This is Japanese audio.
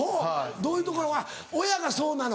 どういうところが親がそうなの？